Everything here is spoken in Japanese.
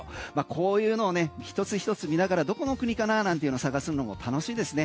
こういうのをね一つ一つ見ながらどこの国かななんていうのを探すのも楽しいですね。